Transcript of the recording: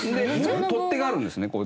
取っ手があるんですねこう。